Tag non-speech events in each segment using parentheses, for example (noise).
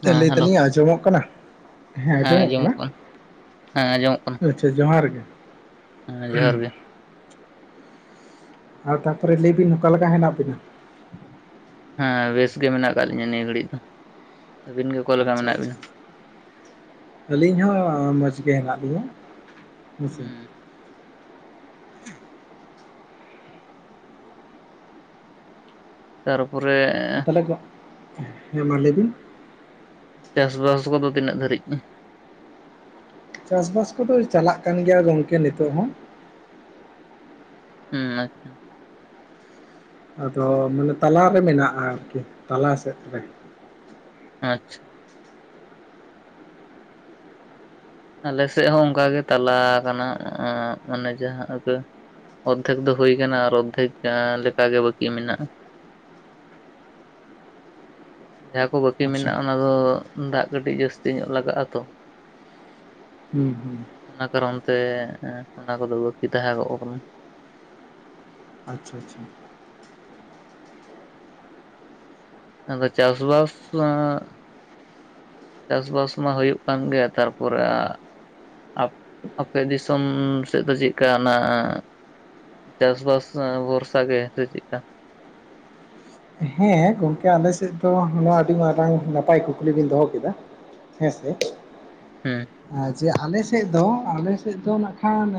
ᱦᱮᱸ ᱞᱟᱹᱭ ᱦᱮᱞᱳ ᱛᱟᱹᱞᱤᱧ ᱟᱸᱡᱚᱢᱚᱜ ᱠᱟᱱᱟ? ᱦᱮᱸ ᱟᱸᱡᱚᱢᱚᱜ ᱠᱟᱱᱟ᱾ ᱦᱮᱸ ᱟᱸᱡᱚᱢᱚᱜ ᱠᱟᱱᱟ ᱠᱮ ᱡᱚᱦᱟᱨ ᱜᱮ᱾ ᱦᱮᱸ ᱡᱚᱦᱟᱨ ᱜᱮ᱾ ᱟᱨ ᱛᱟᱯᱚᱨᱮ ᱞᱟᱹᱭ ᱵᱤᱱ ᱚᱠᱟ ᱞᱮᱠᱟ ᱦᱮᱱᱟᱜ ᱵᱤᱱᱟ? ᱦᱮᱸ ᱵᱮᱥ ᱜᱮ ᱢᱮᱱᱟᱜ ᱠᱟᱜ ᱞᱤᱧᱟ ᱱᱤᱭᱟᱹ ᱜᱷᱟᱹᱲᱤᱜ ᱫᱚ᱾ ᱟᱹᱵᱤᱱ ᱜᱮ ᱚᱠᱟ ᱞᱮᱠᱟ ᱟᱪᱪᱷᱟ ᱢᱮᱱᱟᱜ ᱟᱪᱷᱟ, ᱵᱤᱱᱟ ᱟᱹᱞᱤᱧ ᱦᱚᱸ ᱢᱚᱸᱡᱽ ᱜᱮ ᱦᱮᱱᱟᱜ ᱞᱤᱧᱟᱹ᱾ ᱦᱮᱸ ᱥᱮ᱾ ᱦᱩᱸ ᱛᱟᱨᱯᱚᱨᱮᱜ ᱛᱟᱦᱚᱞᱮ ᱠᱚ, ᱦᱮᱸ ᱢᱟ ᱞᱟᱹᱭ ᱵᱤᱱ᱾ ᱪᱟᱥᱼᱵᱟᱥ ᱠᱚᱫᱚ ᱛᱤᱱᱟᱹᱜ ᱫᱷᱟᱹᱨᱤᱡ ᱩᱸᱦ, ᱪᱟᱥᱼᱵᱟᱥ ᱠᱚᱫᱚ ᱪᱟᱞᱟᱜ ᱠᱟᱱ ᱜᱮᱭᱟ ᱜᱚᱝᱠᱮ ᱱᱤᱛᱚᱜ ᱦᱚᱸ᱾ ᱦᱩᱸᱻᱟᱪᱪᱷᱟ᱾ ᱟᱫᱚ ᱢᱟᱱᱮ ᱛᱟᱞᱟ ᱨᱮ ᱢᱮᱱᱟᱜ-ᱟ ᱟᱨᱠᱤ ᱛᱟᱞᱟ ᱥᱮᱫ ᱨᱮ᱾ ᱟᱪᱪᱷᱟ᱾ ᱟᱞᱮ ᱥᱮᱜ ᱦᱚᱸ ᱚᱱᱠᱟ ᱜᱮ ᱛᱟᱞᱟ ᱟᱠᱟᱱᱟ ᱚᱸᱜᱻ ᱢᱟᱱᱮ ᱡᱟᱦᱟᱸ ᱚᱜᱮ, ᱚᱫᱽᱫᱷᱮᱠ ᱫᱚ ᱦᱩᱭ ᱠᱟᱱᱟ ᱟᱨ ᱚᱫᱽᱫᱷᱮᱠ ᱟᱸᱻ ᱞᱮᱠᱟ ᱜᱮ ᱵᱟᱹᱠᱤ ᱢᱮᱱᱟᱜ-ᱟ᱾ ᱡᱟᱦᱟᱸ ᱠᱚ ᱵᱟᱹᱠᱤ ᱟᱪᱪᱷᱟ ᱢᱮᱱᱟᱜ-ᱟ ᱚᱱᱟ ᱫᱚ ᱫᱟᱜ ᱠᱟᱹᱴᱤᱡ ᱡᱟᱹᱥᱛᱤ ᱧᱚᱜ ᱞᱟᱜᱟᱜ-ᱟ ᱛᱚ᱾ ᱦᱩᱸ ᱦᱩᱸ᱾ ᱚᱱᱟ ᱠᱟᱨᱚᱱ ᱛᱮ ᱮᱸᱜ ᱚᱱᱟ ᱠᱚᱫᱚ ᱵᱟᱹᱠᱤ ᱛᱟᱦᱮᱸ ᱜᱚᱜ ᱠᱟᱱᱟ᱾ ᱟᱼᱪᱷᱟ ᱟᱪᱷᱟ ᱾ ᱟᱫᱚ, ᱪᱟᱥ-ᱵᱟᱥ ᱢᱟ ᱪᱟᱥ-ᱵᱟᱥ ᱢᱟ, ᱦᱩᱭᱩᱜ ᱠᱟᱱ ᱜᱮᱭᱟ, ᱛᱟᱨᱯᱚᱨᱮ, ᱟᱻ ᱟᱯ ᱟᱯᱮ, ᱫᱤᱥᱚᱢ ᱩᱸᱢ ᱥᱮᱜ ᱫᱚ, ᱪᱮᱜ ᱠᱟ ᱮᱱᱟ ᱪᱟᱥ-ᱵᱟᱥ ᱟᱸᱻᱵᱚᱨᱥᱟ ᱜᱮ, ᱥᱮ ᱪᱮᱜ ᱠᱟ? ᱦᱮᱸ ᱜᱚᱢᱠᱮ, ᱟᱞᱮ ᱥᱮᱫ ᱫᱚ, ᱟᱹᱰᱤ ᱢᱟᱨᱟᱝ ᱱᱟᱯᱟᱭ, ᱠᱩᱠᱞᱤ ᱵᱤᱱ ᱫᱚᱦᱚ ᱠᱮᱫᱟ ᱾ ᱦᱮᱸ ᱥᱮ, ᱦᱩᱸ ᱟᱡ ᱡᱮ ᱟᱞᱮ ᱥᱮᱫ ᱫᱚ, ᱟᱞᱮ ᱥᱮᱫ ᱫᱚ ᱱᱟᱜ ᱠᱷᱟᱱ,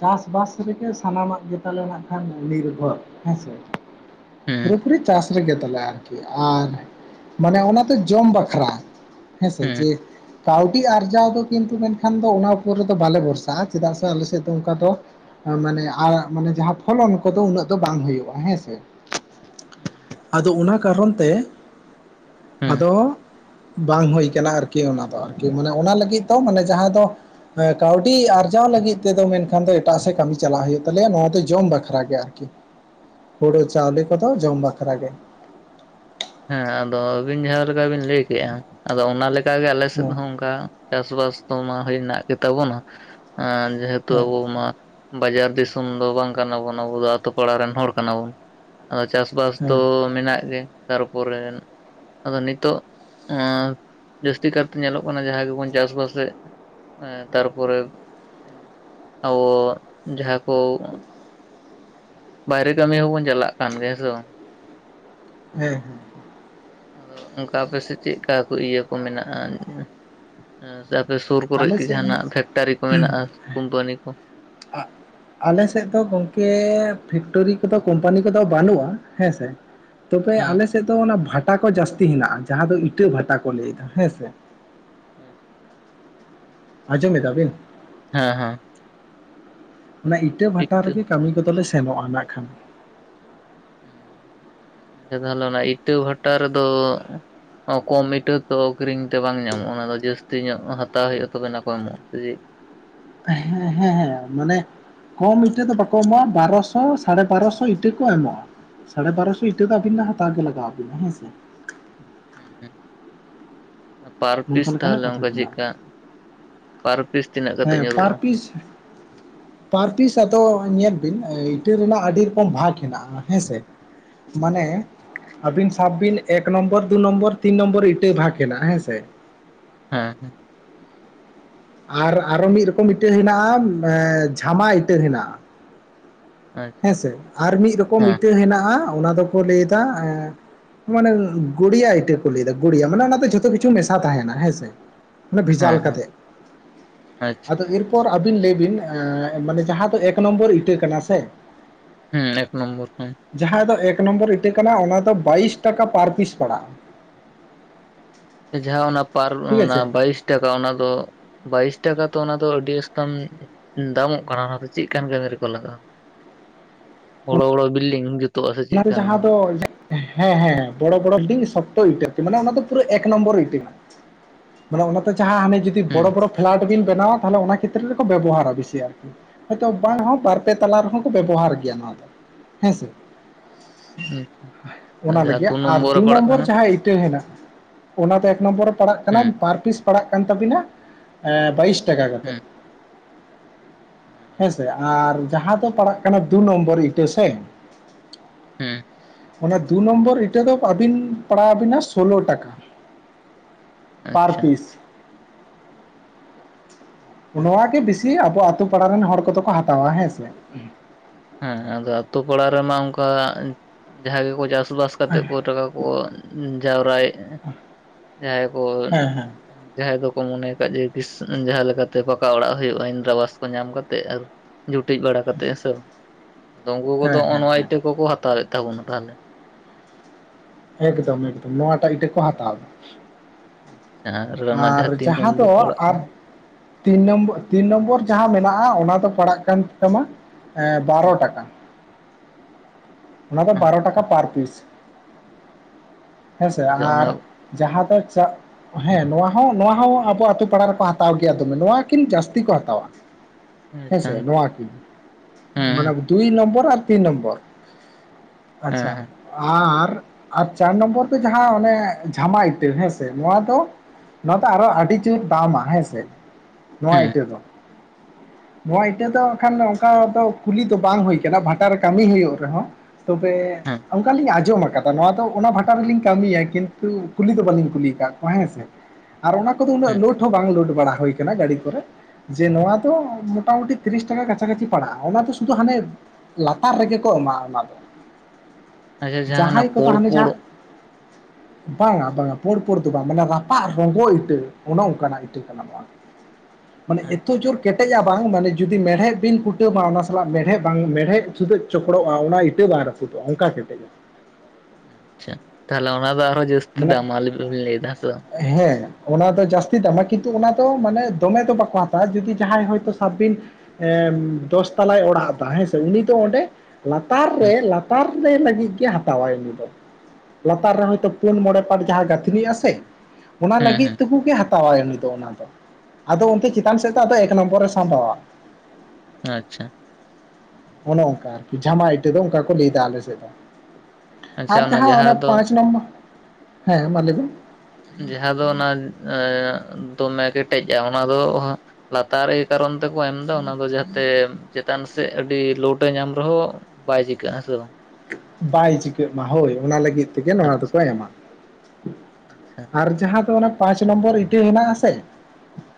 ᱪᱟᱥ ᱵᱟᱥ ᱨᱮᱜᱮ, ᱥᱟᱱᱟᱢᱟᱜ ᱜᱮ ᱾ ᱛᱟᱞᱮ ᱵᱟᱝ ᱠᱷᱟᱱ, ᱱᱤᱨᱵᱷᱚᱨ, ᱦᱮᱸᱥᱮ ᱾ ᱮᱸᱻ ᱾ ᱯᱩᱨᱨ ᱪᱟᱥ ᱨᱮᱜᱮ, ᱛᱟᱞᱮ ᱟᱨᱠᱤ, ᱟᱨ, ᱢᱟᱱᱮ ᱚᱱᱟᱛᱮ, ᱡᱚᱢ ᱵᱟᱠᱷᱨᱟ ᱾ ᱦᱮᱸ ᱥᱮ, ᱦᱩᱸ ᱡᱮ ᱠᱟᱹᱣᱰᱤ ᱟᱨᱡᱟᱣ ᱫᱚ, ᱠᱤᱱᱛᱩ ᱢᱮᱱᱠᱷᱟᱱ, ᱚᱱᱟ ᱩᱯᱚᱨ ᱨᱮᱫᱚ, ᱵᱟᱞᱮ ᱵᱷᱚᱨᱥᱟᱜᱼᱟ ᱾ ᱪᱮᱫᱟᱜ ᱥᱮ, ᱟᱞᱮ ᱥᱮᱫ ᱫᱚ, ᱚᱱᱠᱟ ᱫᱚ, ᱢᱟᱱᱮ, ᱢᱟᱱᱮ ᱡᱟᱦᱟᱸ, ᱯᱷᱚᱞᱚᱱ ᱠᱚᱫᱚ, ᱩᱱᱟᱹᱜ ᱫᱚ, ᱵᱟᱝ ᱦᱩᱭᱩᱜᱼᱟ, ᱦᱮᱸᱥᱮ ᱾ ᱟᱪᱪᱷᱟ ᱟᱫᱚ, ᱚᱱᱟ ᱠᱟᱨᱚᱱ ᱛᱮ, ᱦᱩᱸ ᱟᱫᱚ ᱵᱟᱝ ᱦᱩᱭ ᱠᱟᱱᱟ ᱟᱨᱠᱤ, ᱚᱱᱟ ᱫᱚ ᱟᱨᱠᱤ ᱢᱟᱱᱮ, ᱚᱱᱟ ᱞᱟᱹᱜᱤᱫ ᱫᱚ, ᱢᱟᱱᱮ ᱡᱟᱦᱟᱸ ᱫᱚ ᱠᱟᱹᱣᱰᱤ ᱟᱨᱡᱟᱣ ᱞᱟᱹᱜᱤᱫ ᱛᱮᱫᱚ, ᱢᱮᱱᱠᱷᱟᱱ ᱫᱚ, ᱮᱴᱟᱜ ᱥᱮᱫ ᱠᱟᱹᱢᱤ ᱪᱟᱞᱟᱜ ᱦᱩᱭᱩᱜ ᱛᱟᱞᱮᱭᱟ, ᱱᱚᱣᱟ ᱫᱚ, ᱡᱚᱢ ᱵᱟᱠᱷᱨᱟ ᱜᱮ, ᱟᱨᱠᱤ ᱾ ᱦᱳᱲᱳ ᱪᱟᱣᱞᱮ ᱠᱚᱫᱚ, ᱡᱚᱢ ᱵᱟᱠᱷᱨᱟ ᱜᱮ ᱾ ᱦᱮᱸ, ᱟᱫᱚ ᱟᱹᱵᱤᱱ ᱡᱟᱦᱟᱸᱞᱮᱠᱟ ᱵᱤᱱ, ᱞᱟᱹᱭ ᱠᱮᱜᱼᱟ ᱾ ᱟᱫᱚ ᱚᱱᱟ ᱞᱮᱠᱟ ᱜᱮ, ᱟᱞᱮ ᱥᱮᱫ ᱦᱮᱸ ᱦᱚᱸ, ᱚᱱᱠᱟ ᱪᱟᱥ-ᱵᱟᱥ ᱛᱚ ᱢᱟ, ᱦᱮᱱᱟᱜ ᱜᱮ ᱛᱟᱵᱚᱱᱟ ᱾ ᱮᱸᱻ ᱡᱮᱼᱦᱮᱛᱩ ᱦᱮᱸ ᱟᱵᱚ ᱢᱟ ᱵᱟᱡᱟᱨ ᱫᱤᱥᱚᱢ ᱫᱚ, ᱵᱟᱝ ᱠᱟᱱᱟ ᱵᱚᱱ, ᱟᱵᱚ ᱫᱚ, ᱟᱛᱳ ᱯᱟᱲᱟ ᱨᱮᱱ, ᱦᱚᱲ ᱠᱟᱱᱟ ᱵᱚᱱ ᱾ ᱟᱫᱚ, ᱪᱟᱥ-ᱵᱟᱥ ᱫᱚ, ᱦᱮᱸ ᱢᱮᱱᱟᱜ ᱜᱮ, ᱛᱟᱨ ᱯᱚᱨᱮ ᱟᱫᱚ, ᱱᱤᱛᱚᱜ ᱳᱸᱻ ᱡᱟᱹᱥᱛᱤ ᱠᱟᱛᱮ, ᱧᱮᱞᱚᱜ ᱠᱟᱱᱟ, ᱡᱟᱦᱟᱸ ᱜᱮ ᱵᱚᱱ ᱪᱟᱥ-ᱵᱟᱥᱼᱮᱫ ᱮᱸᱻᱛᱟᱨ ᱯᱚᱨᱮ, ᱟᱵᱚ ᱡᱟᱦᱟᱸ ᱠᱚ ᱵᱟᱭᱨᱮ ᱠᱟᱹᱢᱤ ᱦᱚᱸ ᱵᱚᱱ, ᱪᱟᱞᱟᱜ ᱠᱟᱱ ᱜᱮ, ᱦᱮᱸ ᱥᱮ ᱵᱟᱝ? ᱦᱮᱸ ᱦᱮ (inaudible) ᱟᱫᱚ, ᱚᱱᱠᱟ ᱟᱯᱮ ᱥᱮᱫ, ᱪᱮᱫ ᱞᱮᱠᱟ ᱤᱭᱟᱹ ᱠᱚ, ᱢᱮᱱᱟᱜᱼᱟ? ᱮᱸᱻᱥᱮ, ᱟᱯᱮ ᱥᱩᱨ ᱠᱚᱨᱮ ᱟᱞᱮ ᱜᱮ, ᱥᱮᱫ ᱡᱟᱦᱟᱸᱱᱟᱜ ᱯᱷᱮᱠᱴᱟᱨᱤ ᱠᱚ, ᱢᱮᱱᱟᱜᱼᱟ, ᱠᱳᱢᱯᱟᱱᱤ ᱠᱚ ᱾ ᱦᱟᱜ ᱾ ᱟᱞᱮ ᱥᱮᱫ ᱫᱚ ᱜᱚᱝᱠᱮ, ᱯᱷᱮᱠᱴᱨᱤ ᱠᱚᱫᱚ, ᱠᱳᱢᱯᱟᱱᱤ ᱠᱚᱫᱚ, ᱵᱟᱹᱱᱩᱜᱼᱟ ᱦᱮᱸᱥᱮ ᱾ ᱛᱚᱵᱮ, ᱦᱮᱸ ᱟᱞᱮ ᱥᱮᱫ ᱫᱚ, ᱚᱱᱟ ᱵᱷᱟᱴᱟ ᱠᱚ, ᱡᱟᱹᱥᱛᱤ ᱦᱮᱱᱟᱜᱼᱟ, ᱡᱟᱦᱟᱸ ᱫᱚ, ᱤᱴᱟᱹ ᱵᱷᱟᱴᱟ ᱠᱚ, ᱞᱟᱹᱭ ᱮᱫᱟ ᱦᱮᱸᱥᱮ ᱾ ᱟᱪᱼᱪᱷᱟ ᱾ ᱟᱡᱚᱢ ᱮᱫᱟ ᱵᱤᱱ? ᱦᱮᱸ ᱦᱮᱸ ᱾ ᱚᱱᱟ, ᱤᱴᱟᱹ ᱵᱷᱟᱴᱟ ᱤᱛᱟᱹ ᱨᱮᱜᱮ, ᱠᱟᱹᱢᱤ ᱠᱚᱫᱚ ᱞᱮ, ᱥᱮᱱᱚᱜᱼᱟ ᱱᱷᱟᱜ ᱠᱷᱟᱱ ᱾ ᱦᱮᱸ, ᱟᱪᱪᱷᱟ (inaudible) ᱛᱟᱦᱞᱮ, ᱚᱱᱟ ᱤᱴᱟᱹ ᱵᱷᱟᱴᱟ ᱨᱮᱫᱚ ᱠᱚᱢ ᱤᱴᱟᱹ ᱛᱚ ᱠᱤᱨᱤᱧ ᱛᱮ, ᱵᱟᱝ ᱧᱟᱢᱚᱜᱼᱟ, ᱚᱱᱟ ᱫᱚ ᱡᱟᱹᱥᱛᱤ ᱧᱚᱜ, ᱦᱟᱛᱟᱣ ᱦᱩᱭᱩᱜᱼᱟ, ᱛᱚᱵᱮᱱᱟ ᱠᱚ ᱮᱢᱚᱜᱼᱟ ᱾ ᱦᱮᱸ, ᱦᱮᱸ ᱦᱮᱸ ᱢᱟᱱᱮ, ᱠᱚᱢ ᱤᱴᱟᱹ ᱫᱚ, ᱵᱟᱠᱚ ᱮᱢᱚᱜᱼᱟ, ᱵᱟᱨᱚᱥᱚ, ᱥᱟᱲᱮ ᱵᱟᱨᱚᱥᱚ ᱤᱴᱟᱹ ᱠᱚ, ᱮᱢᱚᱜᱼᱟ ᱾ ᱥᱟᱲᱮ ᱵᱟᱨᱚᱥᱚ ᱤᱴᱟᱹ ᱫᱚ, ᱟᱵᱤᱱ ᱫᱚ ᱦᱟᱛᱟᱣ ᱜᱮ, ᱞᱟᱜᱟᱣ ᱟᱵᱤᱱᱟ, ᱦᱮᱸ ᱥᱮ ᱾ (inaudible) ᱯᱟᱨᱚᱴᱤ ᱱᱚᱝᱠᱟ ᱥᱛᱷᱟᱞ ᱞᱮᱠᱟᱱᱟᱜ ᱠᱟᱛᱷᱟ ᱚᱱᱠᱟ ᱪᱮᱫ ᱠᱟᱱᱟ᱾ ᱠᱟ ᱯᱟᱨ (unintelligible) ᱯᱤᱥ ᱛᱤᱱᱟᱹᱜ? ᱦᱮ, ᱸ ᱯᱟᱨ ᱯᱤᱥ ᱯᱟᱨ ᱯᱤᱥ, ᱟᱫᱚ ᱧᱮᱞ ᱵᱤᱱ, ᱤᱴᱟᱹ ᱨᱮᱱᱟᱜ ᱦᱩᱸ ᱟᱹᱰᱤ ᱨᱚᱠᱚᱢ ᱵᱷᱟᱜᱽ, ᱦᱮᱱᱟᱜᱼᱟ, ᱦᱮᱸᱥᱮ ᱾ ᱢᱟᱱᱮ, ᱦᱩᱸ ᱟᱹᱵᱤᱱ ᱥᱟᱵ ᱵᱤᱱ ᱮᱠ ᱱᱚᱢᱵᱚᱨ ᱫᱩ ᱱᱚᱢᱵᱚᱨ ᱛᱤᱱ ᱱᱚᱢᱵᱚᱨ ᱤᱴᱟᱹ ᱵᱷᱟᱜᱽ ᱦᱮᱱᱟᱜ ᱦᱮᱸᱥᱮ᱾ ᱦᱮᱸ ᱦᱮᱸ ᱟᱨ ᱟᱨᱚ ᱢᱤᱫ ᱨᱚᱠᱚᱢ ᱤᱴᱟᱹ ᱦᱮᱱᱟᱜᱼᱟ ᱡᱷᱟᱢᱟ ᱤᱴᱟᱹ ᱦᱮᱱᱟᱜᱼᱟ᱾ ᱟᱪᱪᱷᱟ ᱦᱮᱸᱥᱮ ᱟᱨ ᱢᱤᱫ ᱨᱚᱠᱚᱢ ᱦᱮᱸ ᱤᱴᱟᱹ ᱦᱮᱱᱟᱜᱼᱟ, ᱚᱱᱟ ᱫᱚᱠᱚ ᱞᱟᱹᱭᱫᱟ ᱮ ᱢᱟᱱᱮ ᱜᱚᱲᱤᱭᱟ ᱤᱴᱟᱹ ᱠᱚ ᱞᱟᱹᱭᱫᱟ ᱜᱩᱲᱤᱭᱟ ᱢᱟᱱᱮ ᱚᱱᱟᱛᱮ ᱡᱷᱚᱛᱚ ᱠᱤᱪᱷᱩ ᱢᱮᱥᱟ ᱛᱟᱦᱮᱱᱟ ᱦᱮᱸᱥᱮ᱾ ᱢᱟᱱᱮ ᱵᱷᱮᱡᱟᱞ ᱦᱮᱸ ᱦᱮᱸ ᱠᱟᱛᱮᱫ ᱟᱪᱪᱷᱟ ᱟᱫᱚ ᱮᱨᱯᱚᱨ ᱟᱵᱤᱱ ᱞᱟᱹᱭ ᱵᱤᱱ ᱢᱟᱱᱮ ᱡᱟᱦᱟᱸ ᱫᱚ ᱮᱠ ᱱᱚᱢᱵᱚᱨ ᱤᱴᱟᱹ ᱠᱟᱱᱟ ᱥᱮ ᱦᱮᱸ ᱮᱠ ᱱᱚᱢᱵᱚᱨ ᱠᱷᱚᱱ ᱡᱟᱦᱟᱸᱭ ᱫᱚ ᱮᱠ ᱱᱚᱢᱵᱚᱨ ᱤᱴᱟᱹ ᱠᱟᱱᱟ ᱚᱱᱟ ᱫᱚ ᱵᱟᱭᱤᱥ ᱴᱟᱠᱟ ᱯᱟᱨ ᱯᱤᱥ ᱯᱟᱲᱟᱜᱼᱟ᱾ ᱡᱟᱸᱦᱟᱸ ᱚᱱᱟ ᱯᱟᱨ ᱴᱷᱤᱠ ᱚᱱᱟ ᱟᱪᱷᱮ ᱵᱟᱭᱤᱥ ᱴᱟᱠᱟ ᱚᱱᱟ ᱫᱚ ᱵᱟᱭᱤᱥ ᱴᱟᱠᱟ ᱛᱚ ᱚᱱᱟ ᱫᱚ ᱟᱹᱰᱤ ᱟᱥᱛᱟᱢ ᱫᱟᱢᱚᱜ ᱠᱟᱱᱟ ᱚᱱᱟ ᱫᱚ ᱪᱮᱫ ᱞᱮᱠᱟᱱ ᱠᱟᱹᱢᱤ ᱨᱮᱠᱚ ᱞᱟᱜᱟᱣᱟ, ᱵᱚᱲᱚ ᱵᱚᱲᱚ ᱵᱤᱞᱰᱤᱝ ᱡᱩᱛᱚᱜᱼᱟ ᱥᱮ ᱚᱱᱟᱨᱮ ᱪᱮᱫᱠᱟ ᱚᱱᱟ ᱡᱟᱦᱟᱸ ᱫᱚ ᱦᱮᱸ ᱦᱮᱸ ᱵᱚᱲᱚ ᱵᱚᱲᱚ ᱤᱝ ᱥᱚᱠᱛᱚ ᱤᱴᱟ. ᱢᱟᱱ ᱚᱱᱟ ᱫᱚ ᱯᱩᱨᱟᱹ ᱮᱠ ᱱᱚᱢᱵᱚᱨ ᱤᱴᱟ. ᱠᱟᱱᱟ᱾ ᱢᱟᱱᱮ ᱚᱱᱟᱛᱮ ᱡᱟᱸᱦᱟᱸ ᱦᱟᱱᱮ ᱡᱩᱫᱤ ᱦᱩᱸ ᱵᱚᱲᱚ ᱵᱚᱲᱚ ᱯᱷᱮᱞᱟᱴ ᱵᱤᱱ ᱵᱮᱱᱟᱣᱟ ᱛᱟᱦᱚᱞᱮ ᱚᱱᱟ ᱠᱷᱮᱛᱨᱮ ᱨᱮᱠᱚ ᱵᱮᱵᱚᱦᱟᱨᱟ ᱵᱮᱥᱤ ᱟᱨᱠᱤ᱾ ᱦᱳᱭᱛᱳ ᱵᱟᱝ ᱦᱚᱸ ᱵᱟᱨᱯᱮ ᱛᱟᱞᱟ ᱨᱮᱦᱚᱸ ᱠᱚ ᱵᱮᱵᱚᱦᱟᱨ ᱜᱮᱭᱟ ᱱᱚᱣᱟ ᱫᱚ ᱦᱮᱸᱥᱮ᱾ ᱚᱱᱟ ᱡᱟᱦᱟᱸ ᱞᱟᱹᱜᱤᱫ ᱟᱨ ᱨᱮ ᱫᱩ ᱯᱟᱲᱟᱜ ᱱᱚᱢᱵᱚᱨ ᱠᱟᱱᱟ ᱡᱟᱸᱦᱟᱸ ᱤᱴᱟᱹ ᱦᱮᱱᱟᱜ ᱚᱱᱟ ᱫᱚ ᱮᱠ ᱱᱚᱢᱵᱚᱨ ᱨᱮ ᱯᱟᱲᱟᱜ ᱠᱟᱱᱟ ᱦᱩᱸ ᱵᱟᱨ ᱯᱤᱥ ᱯᱟᱲᱟᱜ ᱠᱟᱱ ᱛᱟᱵᱤᱱᱟ ᱵᱟᱭᱤᱥ ᱴᱟᱠᱟ ᱠᱟᱛᱮᱫ᱾ ᱦᱩᱸ ᱦᱮᱸᱥᱮ ᱟᱨ ᱡᱟᱦᱟᱸ ᱫᱚ ᱯᱟᱲᱟᱜ ᱠᱟᱱᱟ ᱫᱩ ᱱᱚᱢᱵᱚᱨ ᱤᱴᱟᱹ ᱥᱮ ᱦᱮᱸ ᱚᱱᱟ ᱫᱩ ᱱᱚᱢᱵᱚᱨ ᱤᱴᱟᱹ ᱫᱚ ᱟᱹᱵᱤᱱ ᱯᱟᱲᱟᱣᱵᱤᱱᱟ ᱥᱳᱞᱳ ᱴᱟᱠᱟ᱾ ᱯᱟᱨ ᱟᱪᱪᱷᱟ ᱯᱤᱥ ᱟᱪᱪᱷᱟ ᱱᱚᱶᱟ ᱜᱮ ᱵᱤᱥᱤ ᱟᱵᱚ ᱟᱛᱳ ᱯᱟᱲᱟ ᱨᱮᱱ ᱦᱚᱲ ᱠᱚᱫᱚ ᱠᱚ ᱦᱟᱛᱟᱣᱟ ᱦᱮᱸᱥᱮ᱾ ᱦᱮᱸ ᱟᱫᱚ ᱟᱛᱳ ᱯᱟᱲᱟ ᱨᱮᱢᱟ ᱚᱱᱠᱟ ᱡᱟᱸᱦᱟᱸ ᱜᱮᱠᱚ ᱪᱟᱥ ᱵᱟᱥ ᱠᱟᱛᱮᱜ ᱠᱚ ᱴᱟᱠᱟ ᱠᱚ ᱡᱟᱣᱨᱟᱭ ᱡᱟᱦᱟᱸᱭ ᱠᱚ, ᱡᱟᱸᱦᱟᱸᱭ ᱠᱚᱠᱚ ᱢᱚᱱᱮ ᱟᱠᱟᱫ ᱡᱮ ᱤᱥ ᱡᱟᱦᱟᱸ ᱞᱮᱠᱟᱛᱮ ᱯᱟᱠᱟ ᱚᱲᱟᱜ ᱦᱩᱭᱩᱜᱼᱟ, ᱤᱱᱫᱨᱟ ᱟᱵᱟᱥ ᱠᱚ ᱧᱟᱢ ᱠᱟᱛᱮᱜ ᱟᱨ ᱡᱩᱴᱤᱡ ᱵᱟᱲᱟ ᱠᱟᱛᱮᱜ ᱦᱮᱸ ᱥᱮ ᱵᱟᱝ, ᱟᱫᱚ ᱩᱱᱠᱩ ᱠᱚᱫᱚ ᱦᱮᱸ ᱱᱚᱜ-ᱚ ᱦᱮᱸ ᱱᱚᱣᱟ ᱤᱴᱟᱹ ᱠᱚᱠᱚ ᱦᱟᱛᱟᱣᱮᱫ ᱛᱟᱵᱚᱱᱟ ᱛᱟᱦᱚᱞᱮ᱾ ᱮᱠᱫᱚᱢ ᱮᱠᱫᱚᱢ ᱱᱚᱣᱟ ᱴᱟᱜ ᱤᱴᱟᱹ ᱠᱚ ᱦᱟᱛᱟᱣ ᱮᱫᱟ᱾ (unintelligible) ᱟᱨ ᱚᱱᱟ ᱟᱨ ᱛᱤᱱ ᱡᱟᱦᱟᱸ ᱫᱚ ᱱᱚᱢᱵᱚᱨ ᱯᱟᱲᱟᱜ ᱠᱟᱱᱟ ᱟᱨ ᱛᱤᱱ ᱱᱚᱢᱵᱚᱨ ᱛᱤᱱ ᱱᱚᱢᱵᱚᱨ ᱡᱟᱦᱟᱸ ᱢᱮᱱᱟᱜᱼᱟ, ᱚᱱᱟ ᱫᱚ ᱯᱟᱲᱟᱜ ᱠᱟᱱ ᱛᱟᱢᱟ ᱵᱟᱨᱚ ᱦᱩᱸ ᱴᱟᱠᱟ᱾ ᱚᱱᱟ ᱫᱚ ᱵᱟᱨᱚ ᱟᱪᱪᱷᱟ ᱴᱟᱠᱟ ᱯᱟᱨ ᱯᱤᱥ᱾ ᱦᱮᱸᱥᱮ ᱟᱪᱪᱷᱟ ᱚᱱᱟ ᱟᱨ ᱡᱟᱦᱟᱸ ᱫᱚ ᱪᱟᱜ ᱦᱮᱸ ᱱᱚᱣᱟ ᱦᱚᱸ ᱱᱚᱣᱟ ᱦᱚᱸ ᱟᱵᱚ ᱟᱛᱳ ᱯᱟᱲᱟ ᱨᱮᱠᱚ ᱦᱟᱛᱟᱣ ᱜᱮᱭᱟ ᱫᱚᱢᱮ ᱱᱚᱣᱟ ᱠᱤᱱ ᱡᱟᱹᱥᱛᱤ ᱠᱚ ᱦᱟᱛᱟᱣᱟ᱾ (inaudible) ᱦᱮᱸᱥᱮ ᱦᱩᱸ ᱱᱚᱶᱟ ᱠᱤᱱ, ᱢᱟᱱᱮ ᱦᱩᱸ ᱫᱩᱭ ᱱᱚᱢᱵᱚᱨ ᱟᱨ ᱛᱤᱱ ᱱᱚᱢᱵᱚᱨ᱾ ᱦᱮᱸ ᱟᱪᱪᱷᱟ ᱦᱮᱸ ᱟᱨ ᱟᱨ ᱪᱟᱨ ᱱᱚᱢᱵᱚᱨ ᱫᱚ ᱡᱟᱦᱟᱸ ᱚᱱᱮ ᱡᱷᱟᱢᱟ ᱤᱴᱟᱹ ᱦᱮᱸᱥᱮ ᱱᱚᱣᱟ ᱫᱚ᱾ ᱱᱚᱣᱟ ᱫᱚ ᱟᱨᱚ ᱟᱹᱰᱤ ᱡᱳᱨ ᱫᱟᱢᱟ ᱦᱮᱸᱥᱮ ᱱᱚᱣᱟ ᱦᱩᱸ ᱤᱴᱟᱹ ᱫᱚ᱾ ᱱᱚᱣᱟ ᱤᱴᱟᱹ ᱫᱚᱠᱷᱟᱱ ᱚᱱᱠᱟ ᱫᱚ ᱠᱩᱞᱤ ᱫᱚ ᱵᱟᱝ ᱦᱩᱭ ᱠᱟᱱᱟ ᱵᱷᱟᱴᱟᱨ ᱨᱮ ᱠᱟᱹᱢᱤ ᱦᱩᱭᱩᱜ ᱨᱮᱦᱚᱸ᱾ ᱛᱚᱵᱮ ᱦᱩᱸ ᱚᱱᱠᱟᱞᱤᱧ ᱟᱸᱡᱚᱢ ᱟᱠᱟᱫᱟ᱾ ᱱᱚᱣᱟ ᱫᱚ ᱚᱱᱟ ᱵᱷᱟᱴᱟ ᱨᱮᱞᱤᱧ ᱠᱟᱹᱢᱤᱭᱟ ᱠᱤᱱᱛᱩ ᱠᱩᱞᱤ ᱫᱚ ᱵᱟᱞᱤᱧ ᱠᱩᱞᱤ ᱟᱠᱟᱫ ᱠᱚᱣᱟ ᱦᱮᱸᱥᱮ᱾ ᱟᱨ ᱚᱱᱟ ᱠᱚᱫᱚ ᱩᱱᱟᱹᱜ ᱦᱩᱸ ᱞᱳᱰ ᱦᱚᱸ ᱵᱟᱝ ᱞᱳᱰ ᱵᱟᱲᱟ ᱦᱩᱭ ᱟᱠᱟᱱᱟ ᱜᱟᱹᱰᱤ ᱠᱚᱨᱮ᱾ ᱡᱮ ᱱᱚᱣᱟ ᱫᱚ ᱢᱚᱴᱟᱢᱩᱴᱤ ᱛᱤᱨᱤᱥ ᱴᱟᱠᱟ ᱠᱟᱪᱷᱟ ᱠᱟᱪᱷᱤ ᱯᱟᱲᱟᱜᱼᱟ ᱚᱱᱟ ᱫᱚ ᱥᱩᱫᱷᱩ ᱦᱟᱱᱮ ᱞᱟᱛᱟᱨ ᱨᱮᱜᱮᱼᱼ ᱠᱚ ᱮᱢᱟ ᱚᱱᱟ ᱫᱚ ᱟᱪᱪᱷᱟ ᱡᱟᱦᱟᱸ ᱚᱱᱟ ᱡᱟᱦᱟᱸᱭ ᱠᱚᱫᱚ ᱯᱳᱲ ᱦᱟᱱᱮ ᱡᱟᱼᱼ ᱯᱳᱲ ᱵᱟᱝᱟ ᱵᱟᱝᱟ ᱯᱟᱹᱲ ᱯᱟᱹᱲ ᱫᱚ ᱵᱟᱝ ᱢᱟᱱᱮ ᱨᱟᱯᱟᱜ ᱨᱚᱝᱜᱚ ᱴᱟᱹ ᱚᱱᱮ ᱚᱱᱠᱟᱱᱟᱜ ᱴᱟᱹ ᱠᱟᱱᱟ ᱱᱚᱣᱟ ᱫᱚ (inaudible) ᱢᱟᱱᱮ ᱟᱪᱪᱷᱟ ᱮᱛᱚ ᱡᱚᱨᱼᱼ ᱠᱮᱴᱮᱡᱼᱟ ᱵᱟᱝ ᱢᱟᱱᱮ ᱡᱩᱫᱤ ᱢᱮᱲᱦᱮᱫ ᱵᱤᱱ ᱠᱩᱴᱟᱹᱣᱢᱟ ᱚᱱᱟ ᱥᱟᱞᱟᱜ ᱢᱮᱲᱦᱮᱫ ᱵᱟᱝ ᱢᱮᱲᱦᱮᱫ ᱥᱩᱫᱷᱟᱹᱜᱼᱼ ᱪᱚᱚᱠᱲᱚᱜᱼᱟ ᱚᱱᱟ ᱤᱛᱟᱹ ᱵᱟᱝ ᱨᱟᱹᱯᱩᱫᱚᱜᱼᱟ ᱚᱱᱠᱟ ᱠᱮᱴᱮᱡᱼᱼ ᱟᱪᱪᱷᱟ ᱛᱟᱦᱚᱞᱮ ᱚᱱᱟ ᱫᱚ ᱟᱨᱦᱚᱸ ᱡᱟᱹᱥᱛᱤ ᱢᱟᱱᱮ ᱫᱟᱢ ᱟᱞᱤᱱ ᱞᱟᱹᱭᱫᱟ ᱦᱮᱸᱥᱮ ᱵᱟᱝ? ᱦᱮᱸ ᱚᱱᱟ ᱫᱚ ᱡᱟᱹᱥᱛᱤ ᱫᱟᱢᱟ ᱠᱤᱱᱛᱩ ᱚᱱᱟ ᱫᱚ ᱢᱟᱱᱮ ᱫᱚᱢᱮ ᱫᱚ ᱵᱟᱠᱚ ᱦᱟᱛᱟᱣᱟ ᱡᱩᱫᱤ ᱡᱟᱦᱟᱸᱭ ᱦᱚᱭᱛᱳ ᱥᱟᱵᱵᱤᱱᱼᱼ ᱮ ᱫᱚᱥ ᱛᱟᱞᱟᱭ ᱚᱲᱟᱜ ᱮᱫᱟ ᱦᱮᱸ ᱥᱮ ᱩᱱᱤ ᱫᱚ ᱚᱸᱰᱮᱼᱼ ᱞᱟᱛᱟᱨ ᱦᱩᱸ ᱨᱮ ᱞᱟᱛᱟᱨ ᱨᱮ ᱞᱟᱹᱜᱤᱫ ᱜᱮ ᱦᱟᱛᱟᱭ ᱩᱱᱤ ᱫᱚ ᱞᱟᱛᱟᱨ ᱨᱮ ᱦᱚᱭᱛᱚᱼᱼ ᱯᱩᱱ ᱢᱚᱬᱮ ᱯᱟᱴ ᱡᱟᱦᱟᱸ ᱜᱟᱹᱛᱷᱱᱤᱜ ᱟᱥᱮ ᱚᱱᱟ ᱦᱩᱸ ᱞᱟᱹᱜᱤᱫ ᱦᱩᱸ ᱛᱮᱠᱚ ᱜᱮᱼᱼ ᱦᱟᱛᱟᱣᱟᱭ ᱩᱱᱤ ᱫᱚ ᱚᱱᱟ ᱫᱚ ᱟᱫᱚ ᱚᱱᱛᱮ ᱪᱮᱛᱟᱱ ᱥᱮᱫ ᱫᱚᱫᱚ ᱮᱠ ᱱᱚᱢᱵᱚᱨ ᱮᱭ ᱥᱟᱢᱵᱟᱣᱟ᱾ ᱟᱪᱪᱷᱟ᱾ ᱚᱱᱮ ᱚᱱᱠᱟ ᱡᱷᱟᱢᱟ ᱤᱴᱟᱹ ᱫᱚ ᱚᱱᱠᱟ ᱠᱚ ᱞᱟᱹᱭᱫᱟ ᱟᱞᱮ ᱥᱮᱫ ᱫᱚ᱾ ᱟᱨ ᱡᱟᱦᱟᱸ ᱚᱱᱟ ᱯᱟᱸᱪ ᱱᱚᱢᱵᱚᱨ ᱦᱮᱸ ᱢᱟ ᱞᱟᱹᱭᱵᱮᱱ? ᱡᱟᱦᱟᱸ ᱫᱚ ᱚᱱᱟ ᱫᱚᱢᱮ ᱠᱮᱴᱮᱡᱼᱟ ᱚᱱᱟ ᱫᱚᱼᱼ ᱞᱟᱛᱟᱨ ᱮᱭ ᱠᱟᱨᱚᱱ ᱛᱮᱠᱚ ᱮᱢ ᱮᱫᱟ ᱚᱱᱟ ᱫᱚ ᱡᱟᱛᱮ ᱪᱮᱛᱟᱱ ᱥᱮᱫ ᱟᱹᱰᱤ ᱞᱳᱰ ᱮ ᱧᱟᱢ ᱨᱮᱦᱚᱸᱼᱼ ᱵᱟᱭ ᱪᱤᱠᱟᱹᱼᱟ ᱦᱮᱹᱥᱮ ᱵᱟᱝ? ᱵᱟᱭ ᱪᱤᱠᱟᱹᱜ ᱢᱟ ᱦᱳᱭ ᱚᱱᱟ ᱞᱟᱹᱜᱤᱫ ᱛᱮᱜᱮ ᱱᱚᱣᱟ ᱟᱪᱪᱷᱟ ᱫᱚᱠᱚ ᱮᱢᱟ᱾ ᱟᱪᱪᱷᱟ, ᱟᱨ ᱡᱟᱦᱟᱸ ᱫᱚ ᱚᱱᱮ ᱯᱟᱸᱪ ᱱᱚᱢᱵᱚᱨ ᱤᱴᱟᱹ ᱦᱮᱱᱟᱜ ᱟᱥᱮᱼᱼ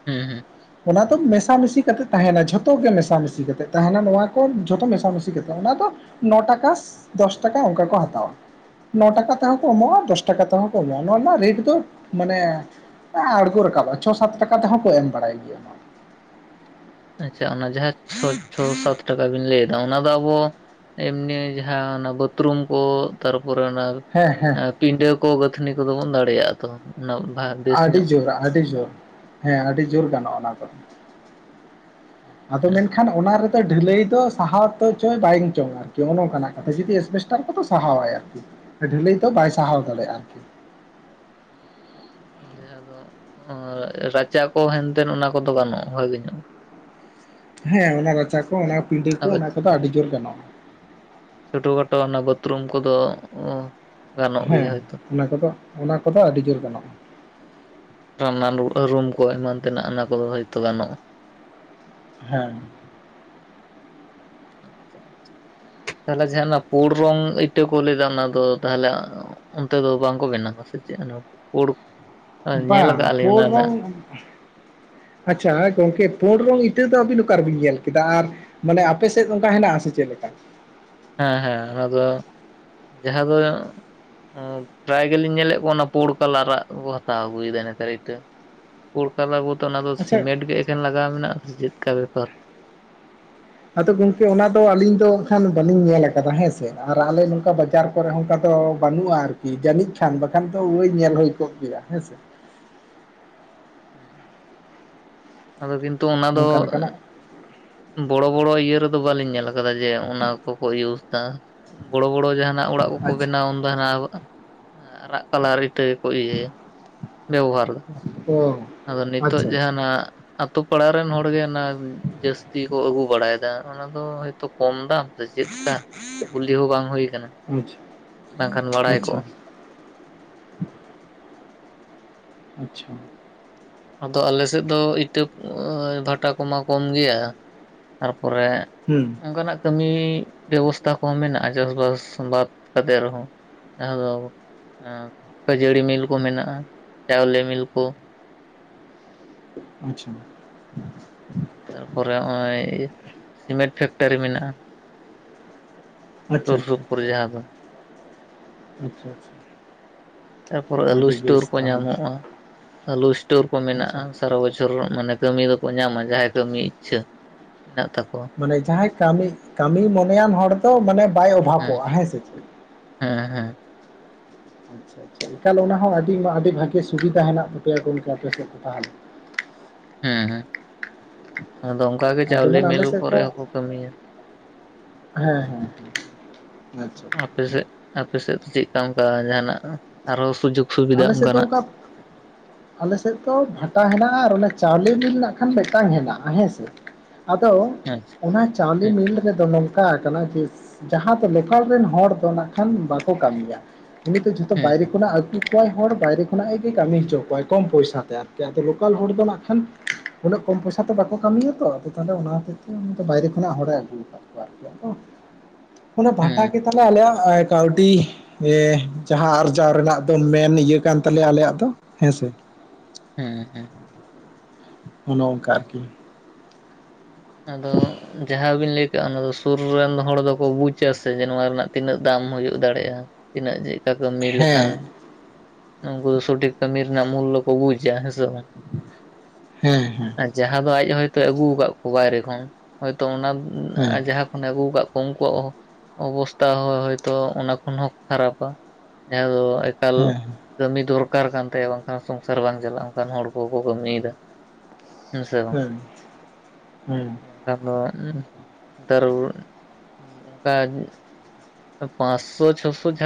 ᱦᱩᱸ ᱦᱩᱸ ᱚᱱᱟ ᱫᱚ ᱢᱮᱥᱟᱢᱤᱥᱤ ᱠᱟᱛᱮ ᱛᱟᱦᱮᱱᱟ ᱡᱷᱚᱛᱚ ᱜᱮ ᱢᱮᱥᱟᱢᱤᱥᱤ ᱠᱟᱛᱮ ᱛᱟᱦᱮᱱᱟ ᱱᱚᱣᱟ ᱠᱚ ᱡᱷᱚᱛᱚ ᱢᱮᱥᱟ ᱢᱤᱥᱤ ᱠᱟᱛᱮ ᱚᱱᱟ ᱫᱚ ᱱᱚ ᱴᱟᱠᱟ ᱫᱚᱥ ᱴᱟᱠᱟ ᱚᱱᱠᱟ ᱠᱚ ᱦᱟᱛᱟᱣᱟ᱾ ᱱᱚ ᱴᱟᱠᱟ ᱛᱮᱦᱚᱸ ᱠᱚ ᱮᱢᱚᱜᱼᱟ ᱫᱚᱥ ᱴᱟᱠᱟ ᱛᱮᱦᱚᱸ ᱠᱚ ᱮᱢᱚᱜᱼᱟ ᱱᱚᱣᱟ ᱨᱮᱱᱟᱜ ᱨᱮᱴ ᱫᱚ ᱢᱟᱱᱮᱼᱼ ᱟᱬᱜᱚ ᱨᱟᱠᱟᱵ ᱪᱷᱚ ᱥᱟᱛ ᱴᱟᱠᱟ ᱛᱮᱦᱚᱸ ᱠᱚ ᱮᱢ ᱵᱟᱲᱟᱭ ᱜᱮᱭᱟ᱾ ᱟᱪᱷᱟ ᱚᱱᱟ ᱡᱟᱦᱟᱸ ᱪᱷᱚ ᱪᱷᱚ ᱥᱟᱛ ᱴᱟᱠᱟ ᱵᱤᱱ ᱞᱟᱹᱭᱫᱟ ᱚᱱᱟ ᱫᱚ ᱟᱵᱚᱼᱼ ᱮᱢᱱᱤ ᱡᱟᱦᱟᱸ ᱚᱱᱟ ᱵᱟᱛᱷᱨᱩᱢ ᱠᱚ ᱛᱟᱨᱯᱚᱨᱮ ᱚᱱᱟᱼᱼ ᱦᱮᱸ ᱦᱮᱸ ᱯᱤᱰᱟᱹ ᱠᱚ ᱜᱟᱹᱛᱷᱤᱱᱤ ᱠᱚᱫᱚ ᱵᱚᱱ ᱫᱟᱲᱮᱭᱟᱜᱼᱟ᱾ ᱛᱚ ᱩᱱᱟᱹᱜ ᱵᱷᱟᱜ᱾ ᱟᱹᱰᱤ ᱡᱳᱚᱨ ᱟᱹᱰᱤ ᱡᱳᱨᱼᱼ ᱦᱮᱸ ᱟᱹᱰᱤ ᱡᱳᱨ ᱜᱟᱱᱚᱜᱼᱟ ᱚᱱᱟ ᱫᱚ ᱟᱫᱚ ᱦᱮᱸ ᱢᱮᱱᱠᱷᱟᱱ ᱚᱱᱟ ᱨᱮᱫᱚᱼᱼ ᱰᱷᱟᱹᱞᱟᱹᱭ ᱫᱚ ᱥᱟᱦᱟᱣ ᱛᱚ ᱪᱚᱭ ᱵᱟᱝ ᱪᱚᱝᱟ ᱟᱨᱠᱤ ᱚᱱᱮ ᱱᱚᱠᱟᱱᱟᱜ ᱠᱟᱛᱷᱟ ᱡᱩᱫᱤ ᱮᱥᱵᱮᱥᱴᱟᱨ ᱠᱚᱫᱚ ᱥᱟᱦᱟᱣᱟᱭ ᱟᱨᱠᱤ, ᱰᱷᱟᱹᱞᱟᱹᱭ ᱫᱚ ᱵᱟᱭ ᱥᱟᱦᱟᱣ ᱫᱟᱲᱮᱭᱟᱜᱼᱟ ᱟᱨᱠᱤ ᱡᱟᱦᱟᱸ ᱫᱚ ᱨᱟᱪᱟ ᱠᱚ ᱦᱮᱱᱛᱮᱱ ᱚᱱᱟ ᱠᱚᱫᱚ ᱜᱟᱱᱩᱜᱼᱟ ᱵᱷᱟᱜᱤ ᱧᱚᱜ, ᱦᱮᱸ ᱚᱱᱟ ᱨᱟᱪᱟ ᱠᱚ ᱚᱱᱟ ᱯᱤᱰᱟᱹ ᱠᱚ ᱟᱫᱚ ᱚᱱᱟ ᱠᱚᱫᱚ ᱟᱹᱰᱤ ᱡᱳᱨ ᱜᱟᱱᱚᱜᱼᱟ ᱪᱷᱳᱴᱳ ᱠᱷᱟᱴᱳ ᱚᱱᱟ ᱵᱟᱛᱷᱨᱩᱢ ᱠᱚᱫᱚ ᱜᱟᱱᱚᱜ ᱜᱮᱭᱟ ᱦᱮᱸ ᱦᱭᱛᱳ᱾ ᱚᱱᱟ ᱠᱚᱫᱚ ᱚᱱᱟ ᱠᱚᱫᱚ ᱟᱹᱰᱤ ᱡᱳᱨ ᱜᱟᱱᱚᱜᱼᱟ᱾ ᱨᱟᱱ ᱨᱩᱢ ᱠᱚ ᱮᱢᱟᱱ ᱛᱮᱱᱟᱜ ᱚᱱᱟ ᱠᱚᱫᱚ ᱦᱳᱭᱛᱳ ᱜᱟᱱᱚᱜᱼᱟ ᱦᱮᱸ ᱟᱪᱪᱷᱟ ᱟᱪᱪᱷᱟ ᱛᱟᱦᱞᱮ ᱡᱟᱦᱟᱸ ᱚᱱᱟ ᱯᱩᱲ ᱨᱚᱝ ᱤᱴᱟᱹ ᱠᱚ ᱞᱟᱹᱭᱫᱟ ᱚᱱᱟ ᱫᱚ ᱛᱟᱦᱚᱞᱮᱼᱼ ᱚᱱᱛᱮ ᱫᱚ ᱵᱟᱝᱠᱚ ᱵᱮᱱᱟᱣᱟ ᱥᱮ ᱪᱮᱫ? ᱯᱩᱲ ᱧᱮᱞ ᱵᱟᱝ ᱠᱟᱜᱼᱟ ᱞᱤᱧ ᱯᱩᱨ ᱚᱱᱟ ᱨᱮᱱᱟᱜ ᱨᱚᱝ ᱟᱪᱷᱟ ᱜᱚᱝᱠᱮ ᱯᱳᱸᱲ ᱨᱚᱝ ᱤᱛᱟᱹ ᱫᱚ ᱟᱹᱵᱤᱱ ᱚᱠᱟ ᱨᱮᱵᱤᱱ ᱧᱮᱞ ᱠᱮᱫᱟ ᱟᱨ, ᱢᱟᱱᱮ ᱟᱯᱮ ᱥᱮᱫ ᱚᱱᱠᱟ ᱦᱮᱱᱟᱜ ᱟᱥᱮ ᱪᱮᱫ ᱞᱮᱠᱟ? ᱦᱮᱸ ᱦᱮᱸ ᱚᱱᱟ ᱫᱚ ᱡᱟᱦᱟᱸ ᱫᱚ, ᱯᱨᱟᱭ ᱜᱮᱞᱤᱧ ᱧᱮᱞᱮᱫ ᱠᱚᱣᱟ ᱚᱱᱟ ᱯᱳᱸᱲ ᱠᱟᱞᱟᱨᱟᱜ ᱠᱚ ᱦᱟᱛᱟᱣ ᱟᱹᱜᱩᱭᱮᱫᱟ ᱱᱮᱛᱟᱨ ᱤᱴᱟᱹ᱾ ᱯᱳᱸᱲ ᱠᱟᱞᱟ ᱵᱚᱞᱛᱮ ᱚᱱᱟ ᱫᱚ ᱟᱪᱪᱷᱟ ᱥᱤᱢᱮᱱᱴ ᱜᱮ ᱮᱠᱮᱱ ᱞᱟᱜᱟᱣ ᱢᱮᱱᱟᱜᱼᱟ ᱪᱮᱫᱠᱟ ᱵᱮᱯᱟᱨ? ᱟᱫᱚ ᱜᱚᱝᱠᱮ ᱚᱱᱟ ᱫᱚ ᱟᱹᱞᱤᱧ ᱫᱚ ᱮᱠᱷᱟᱱ ᱵᱟᱹᱞᱤᱧ ᱧᱮᱞ ᱠᱟᱫᱟ ᱦᱮᱸᱥᱮ ᱟᱨ ᱟᱞᱮ ᱱᱚᱝᱠᱟ ᱞᱟᱪᱟᱨ ᱠᱚᱨᱮ ᱚᱱᱠᱟ ᱫᱚ ᱵᱟᱹᱱᱩᱜᱼᱟ ᱟᱨᱠᱤ ᱡᱟᱹᱱᱤᱡ ᱠᱷᱟᱱ ᱵᱟᱠᱷᱟᱱ ᱫᱚ ᱳᱭ ᱧᱮᱞ ᱦᱩᱭ ᱠᱚᱜ ᱜᱮᱭᱟ ᱦᱮᱸ ᱥᱮ? ᱦᱮ, ᱟᱫᱚ ᱠᱤᱱᱛᱩ ᱚᱱᱟ ᱫᱚ ᱚᱱᱠᱟ ᱞᱮᱠᱟᱱᱟᱜ ᱵᱚᱲᱚ ᱵᱚᱲᱚ ᱤᱭᱟᱹ ᱨᱮᱫᱚ ᱵᱟᱹᱞᱤᱧ ᱧᱮᱞ ᱠᱟᱫᱟ ᱡᱮ, ᱚᱱᱟ ᱠᱚᱠᱚ ᱤᱭᱩᱥ ᱮᱫᱟ ᱵᱚᱲᱚ ᱵᱚᱲᱚ ᱡᱟᱦᱟᱱᱟᱜ ᱚᱲᱟᱜ ᱠᱚᱠᱚ ᱟᱪᱪᱷᱟ ᱵᱮᱱᱟᱣᱟ ᱩᱱ ᱫᱚ ᱦᱟᱱᱮ, ᱟᱨᱟᱜ ᱠᱟᱞᱟᱨ ᱤᱴᱟᱹ᱾ ᱠᱚ ᱤᱭᱟᱹᱭᱟ ᱵᱮᱵᱚᱦᱟᱨ ᱫᱟᱠᱚ ᱚ ᱟᱫᱚ ᱱᱤᱛᱚᱜ ᱟᱪᱪᱷᱟ ᱡᱟᱦᱟ ᱟᱪᱪᱷᱟ ᱱᱚᱭᱟ, ᱟᱛᱳ ᱯᱟᱲᱟ ᱨᱮᱱ ᱦᱚᱲ ᱜᱮ ᱚᱱᱟ ᱡᱟᱹᱥ ᱛᱤ ᱠᱚ ᱟᱹᱜᱩ ᱵᱟᱲᱟᱭᱮᱫᱟ ᱚᱱᱟ ᱫᱚ ᱦᱚᱭᱛᱚ ᱠᱚᱢ ᱫᱟᱢ ᱥᱮ ᱪᱮᱫ ᱞᱮᱠᱟ ᱠᱩᱞᱤ ᱦᱚᱸ ᱵᱟᱝ ᱦᱩᱭ ᱠᱟᱱᱟ? ᱵᱩᱪ ᱵᱟᱝᱠᱷᱟᱱ ᱵᱟᱲᱟᱭ ᱟᱪᱷᱟ᱾ ᱠᱚᱜᱼᱟ᱾ ᱟᱪᱷᱟ, ᱟᱫᱚ ᱟᱞᱮᱥᱮᱫ ᱫᱚ ᱤᱴᱟᱹ ᱵᱷᱟᱴᱟ ᱠᱚᱢᱟ ᱠᱚᱢ ᱜᱮᱭᱟ᱾ ᱛᱟᱨᱯᱚᱨᱮ, ᱦᱩᱸ, ᱚᱱᱠᱟᱱᱟᱜ ᱠᱟᱹᱢᱤ ᱵᱮᱵᱚᱥᱛᱟ ᱠᱚᱦᱚᱸ ᱢᱮᱱᱟᱜᱼᱟ ᱪᱟᱥᱵᱟᱥ ᱵᱟᱫ ᱠᱟᱛᱮ ᱨᱮᱦᱚᱸ᱾ ᱡᱟᱦᱟᱸ ᱫᱚ, ᱠᱷᱟᱹᱡᱟᱹᱲᱤ ᱢᱤᱞ ᱠᱚ ᱢᱮᱱᱟᱜᱼᱟ ᱪᱟᱣᱞᱮ ᱢᱤᱞ ᱠᱚ᱾ ᱟᱪᱪᱷᱟ᱾ ᱛᱟᱨᱯᱚᱨᱮ ᱱᱚᱜᱚᱭ ᱥᱤᱢᱮᱱᱴ ᱯᱷᱮᱠᱴᱟᱨᱤ ᱢᱮᱱᱟᱜᱼᱟ᱾ ᱟᱪᱪᱷᱟ ᱥᱩᱨ ᱟᱪᱪᱷᱟ ᱥᱳᱯᱳᱨ ᱡᱟᱦᱟᱸ ᱫᱚ, ᱟᱪᱪᱷᱟ ᱟᱪᱪᱷᱟ᱾ ᱛᱟᱨᱯᱚᱨᱮ ᱟᱹᱞᱩ ᱟᱹᱰᱤ ᱤᱥᱴᱳᱨ ᱵᱮᱥ ᱠᱚ ᱛᱟᱦᱚᱞᱮ ᱧᱟᱢᱚᱜᱼᱟ ᱟᱹᱞᱩ ᱤᱥᱴᱳᱨ ᱠᱚ ᱢᱮᱱᱟᱜᱼᱟ᱾ ᱟᱪᱪᱷᱟ ᱥᱟᱨᱟ ᱵᱚᱪᱷᱚᱨ ᱢᱟᱱᱮ ᱠᱟᱹᱢᱤ ᱫᱚᱠᱚ ᱧᱟᱢᱟ ᱡᱟᱦᱟᱸᱭ ᱠᱟᱹᱢᱤ ᱤᱪᱪᱷᱟᱹ ᱢᱮᱱᱟᱜ ᱛᱟᱠᱚᱣᱟ᱾ ᱢᱟᱱᱮ ᱡᱟᱦᱟᱸᱭ ᱠᱟᱹᱢᱤ ᱠᱟᱹᱢᱤ ᱢᱚᱱᱮᱭᱟᱱ ᱦᱚᱲ ᱫᱚ ᱢᱟᱱᱮ ᱵᱟᱭ ᱚᱵᱷᱟᱵᱚᱜᱼᱟ ᱦᱮᱸ ᱥᱮ ᱪᱮᱫ? ᱦᱮᱸ ᱦᱮᱸ᱾ ᱟᱪᱪᱷᱟ ᱟᱪᱪᱷᱟ ᱮᱠᱟᱞ ᱚᱱᱟ ᱦᱚᱸ ᱟᱹᱰᱤ ᱟᱹᱰᱤ ᱵᱷᱟᱜᱮ ᱥᱩᱵᱤᱫᱷᱟ ᱢᱮᱱᱟᱜ ᱛᱟᱯᱮᱭᱟ ᱜᱚᱝᱠᱮ ᱟᱯᱮ ᱥᱮᱫ ᱫᱚ ᱛᱟᱦᱞᱮ? ᱦᱮᱸ ᱦᱮᱸ ᱟᱫᱚ ᱚᱱᱠᱟ ᱜᱮ ᱟᱨ ᱪᱟᱣᱞᱮ ᱡᱮᱢᱚᱱ ᱢᱤᱞ ᱟᱞᱮ ᱥᱮᱫ ᱠᱚᱨᱮ ᱫᱚ ᱦᱚᱸᱠᱚ ᱠᱟᱹᱢᱤᱭᱟ᱾ ᱦᱮᱸ ᱦᱮᱸ ᱟᱪᱪᱷᱟ, ᱟᱯᱮᱥᱮᱫ ᱟᱯᱮᱥᱮᱫ ᱫᱚ ᱪᱮᱫᱠᱟ ᱚᱱᱠᱟ ᱡᱟᱦᱟᱱᱟᱜ ᱟᱨᱦᱚ ᱥᱩᱡᱳᱜ ᱟᱞᱮ ᱥᱮᱫ ᱫᱚ ᱚᱱᱠᱟ, ᱟᱞᱮᱥᱮᱫ ᱫᱚ ᱵᱷᱟᱴᱟ ᱦᱮᱱᱟᱜᱼᱟ ᱟᱨ ᱚᱱᱮ ᱪᱟᱣᱞᱮ ᱢᱤᱞ ᱱᱟᱜ ᱠᱷᱟᱱ ᱢᱤᱫᱴᱟᱝ ᱦᱮᱱᱟᱜᱼᱟ ᱦᱮᱸᱥᱮ? ᱟᱫᱚ, ᱟᱪᱪᱷᱟ, ᱚᱱᱟ ᱪᱟᱣᱞᱮ ᱦᱮᱸ ᱢᱤᱞ ᱨᱮᱫᱚ ᱱᱚᱝᱠᱟ ᱠᱟᱱᱟ ᱡᱮ, ᱡᱟᱦᱟᱸ ᱫᱚ ᱞᱳᱠᱟᱞ ᱨᱮᱱ ᱦᱚᱲ ᱫᱚ ᱱᱟᱜ ᱠᱷᱟᱱ ᱵᱟᱠᱚ ᱠᱟᱹᱢᱤᱭᱟ ᱩᱱᱤ ᱫᱚ ᱡᱷᱚᱛᱚ ᱦᱮᱸ ᱵᱟᱭᱨᱮ ᱠᱷᱚᱱᱟᱜ ᱟᱹᱜᱳ ᱚᱠᱚᱭ ᱦᱚᱲ ᱵᱟᱭᱨᱮ ᱠᱷᱚᱱᱟᱜ ᱜᱮ ᱠᱟᱹᱢᱤ ᱦᱚᱪᱚ ᱠᱚᱣᱟᱭ ᱠᱚᱢ ᱯᱚᱭᱥᱟ ᱛᱮ ᱟᱨᱠᱤ ᱟᱫᱚ ᱞᱳᱠᱟᱞ ᱦᱚᱲ ᱫᱚ ᱱᱟᱜ ᱠᱷᱟᱱ, ᱩᱱᱟᱹᱜ ᱠᱚᱢ ᱯᱚᱭᱥᱟ ᱛᱮ ᱵᱟᱠᱚ ᱠᱟᱹᱢᱤᱭᱟᱛᱚ ᱛᱟᱦᱚᱞᱮ ᱚᱱᱟ ᱦᱚᱛᱮᱡ ᱛᱮ ᱩᱱᱤ ᱫᱚ ᱵᱟᱭᱨᱮ ᱠᱷᱚᱱᱟᱜ ᱦᱚᱲᱮ ᱟᱹᱜᱩ ᱟᱠᱟᱫ ᱠᱚᱣᱟ ᱟᱨᱠᱤ᱾ ᱟᱫᱚ (inaudible) ᱚᱱᱟ ᱵᱷᱟᱴᱟ ᱦᱮᱸ ᱜᱮ ᱛᱟᱞᱮ ᱟᱞᱮᱭᱟᱜ ᱠᱟᱹᱣᱰᱤ ᱡᱟᱦᱟᱸ ᱟᱨᱡᱟᱣ ᱨᱮᱱᱟᱜᱼᱼ ᱢᱮᱱ ᱤᱭᱟᱹ ᱠᱟᱱ ᱛᱟᱞᱮᱭᱟ ᱟᱞᱮᱭᱟᱜ ᱫᱚ ᱦᱮᱸ ᱥᱮ? ᱦᱮᱸ ᱦᱮᱸ, ᱚᱱᱚ ᱚᱱᱠᱟ ᱟᱨᱠᱤ? ᱟᱫᱚ ᱡᱟᱦᱟᱸ ᱡᱟᱦᱟᱸ ᱵᱤᱱ ᱞᱟᱹᱭ ᱠᱟᱜᱼᱟ ᱚᱱᱟ ᱫᱚ ᱥᱩᱨ ᱨᱮᱱ ᱦᱚᱲ ᱫᱚᱠᱚ ᱵᱩᱡ ᱟ ᱥᱮᱪᱮ ᱱᱚᱣᱟ ᱨᱮᱱᱟᱜ ᱛᱤᱱᱟᱹᱜ ᱫᱟᱢ ᱦᱩᱭᱩᱜ ᱫᱟᱲᱮᱭᱟᱜᱼᱟ? ᱛᱤᱱᱟᱹᱜ ᱪᱮᱫᱠᱟ ᱠᱟᱹᱢᱤ ᱞᱮᱠᱷᱟᱱᱼᱼ ᱦᱮᱸ ᱩᱱᱠᱩ ᱫᱚ ᱥᱚᱴᱤᱠ ᱠᱟᱹᱢᱤᱤ ᱨᱮᱱᱟᱜ ᱢᱩᱞᱞᱟ ᱠᱚ ᱵᱩᱡᱼᱟ ᱦᱮᱸᱥᱮ ᱵᱟᱝ᱾ ᱦᱮᱸ, ᱦᱮᱸ ᱟᱨ ᱡᱟᱦᱟᱸ ᱫᱚ ᱟᱡ ᱦᱚᱭᱛᱳ ᱟᱹᱜᱩ ᱟᱠᱟᱫ ᱠᱚᱣᱟ ᱵᱟᱭᱨᱮ ᱠᱷᱚᱱ ᱦᱚᱭᱛᱚ ᱚᱱᱟ ᱦᱮᱸ ᱡᱟᱦᱟᱸ ᱠᱷᱚᱱᱮ ᱟᱹᱜᱩ ᱟᱠᱟᱫ ᱠᱚᱣᱟ᱾ ᱩᱱᱠᱩᱣᱟᱜ ᱚᱵᱚᱥᱛᱟ ᱦᱚᱭᱛᱳ ᱚᱱᱟ ᱠᱷᱚᱱ ᱦᱚᱸ ᱠᱷᱟᱨᱟᱯᱟ ᱡᱟᱦᱟᱸ ᱫᱚᱼᱼ ᱠᱷᱞᱼᱼ ᱦᱮᱸ ᱠᱟᱹᱢᱤ ᱫᱚᱨᱠᱟᱨ ᱠᱟᱱ ᱛᱟᱭᱟ ᱵᱟᱝᱠᱷᱟᱱ ᱥᱚᱝᱥᱟᱨ ᱵᱟᱝ ᱪᱟᱞᱟᱜᱼᱟ ᱚᱱᱠᱟᱱ ᱦᱚᱲ ᱠᱚᱠᱚ ᱠᱟᱹᱢᱤᱭᱮᱫᱟ ᱦᱮᱸᱥᱮ? ᱦᱮᱸ ᱠᱷᱟᱱ ᱛᱟᱨᱼᱼ ᱚᱱᱠᱟ ᱯᱟᱸᱪᱥᱚ ᱪᱷᱚᱥᱚ ᱡᱷᱟᱲᱟᱺᱸ